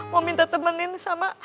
mau minta temenin sama